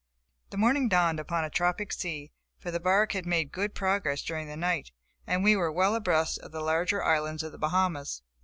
The morning dawned upon a tropic sea, for the bark had made good progress during the night, and we were well abreast of the larger islands of the Bahamas.